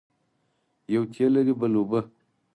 یوه تېل لري بل اوبه.